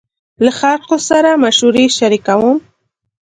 له خلکو سره مشورې شريکوم.